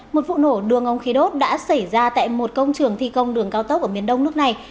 một vụ nổ đường ống khí đốt đã xảy ra tại một công trường thi công đường cao tốc ở miền đông nước này